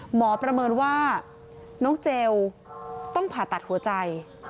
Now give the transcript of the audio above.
ประเมินว่าน้องเจลต้องผ่าตัดหัวใจ